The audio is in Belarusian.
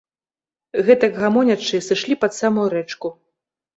Гэтак гамонячы, сышлі пад самую рэчку.